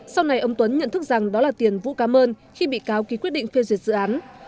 sau này ông tuấn nhận thức rằng đó là tiền vũ cá mơn khi bị cáo ký quyết định phiêu diệt dự án